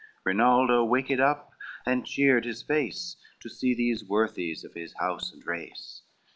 Rinaldo waked up and cheered his face, To see these worthies of his house and race.